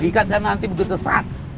ikatkan nanti begitu saat